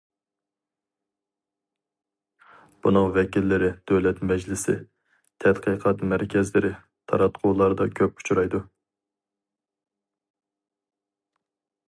بۇنىڭ ۋەكىللىرى دۆلەت مەجلىسى، تەتقىقات مەركەزلىرى، تاراتقۇلاردا كۆپ ئۇچرايدۇ.